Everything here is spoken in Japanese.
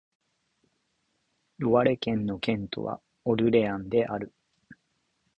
ロワレ県の県都はオルレアンである